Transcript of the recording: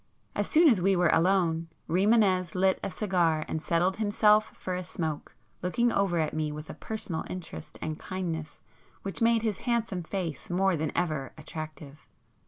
As soon as we were alone, Rimânez lit a cigar and settled himself for a smoke, looking over at me with a personal interest and kindness which made his handsome face more than ever attractive.